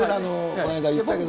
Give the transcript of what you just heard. この間言ったけど。